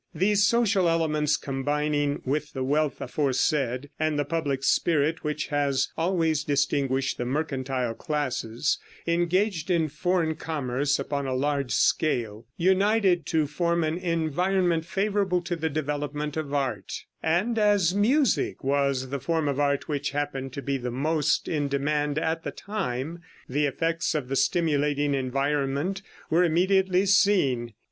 These social elements combining with the wealth aforesaid, and the public spirit which has always distinguished the mercantile classes engaged in foreign commerce upon a large scale, united to form an environment favorable to the development of art; and, as music was the form of art which happened to be most in demand at the time, the effects of the stimulating environment were immediately seen.